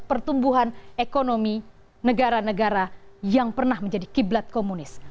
pertumbuhan ekonomi negara negara yang pernah menjadi kiblat komunis